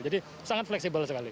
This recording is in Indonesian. jadi sangat fleksibel sekali